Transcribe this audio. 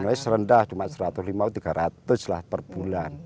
nilainya serendah cuma satu ratus lima puluh tiga ratus lah per bulan